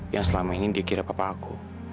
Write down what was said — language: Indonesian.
yang selama ini dia kira papa aku